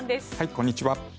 こんにちは。